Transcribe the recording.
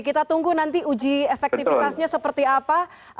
kita tunggu nanti uji efektivitasnya seperti apa